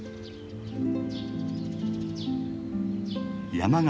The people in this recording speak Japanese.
山形